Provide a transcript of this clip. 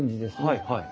はいはい。